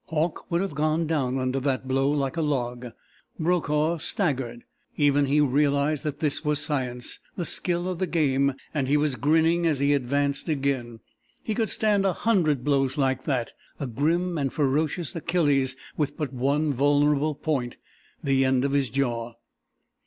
Hauck would have gone down under that blow like a log. Brokaw staggered. Even he realized that this was science the skill of the game and he was grinning as he advanced again. He could stand a hundred blows like that a grim and ferocious Achilles with but one vulnerable point, the end of his jaw.